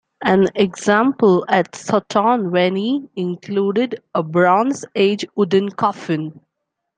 An example at Sutton Veny included a bronze-age wooden coffin.